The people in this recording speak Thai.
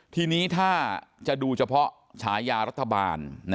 ทีนี้ถ้าจะดูเฉพาะฉายารัฐบาล